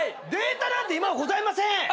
データなんて今ございません。